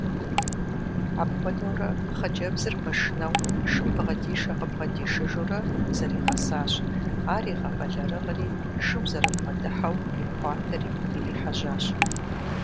Апхуэдэурэ хъыджэбзыр мышынэу шым бгъэдишэ–къыбгъэдишыжурэ зэригъэсащ, ар игъэбэлэрыгъри шым зэрыбгъэдыхьэу ипхъуатэри ирихьэжьащ.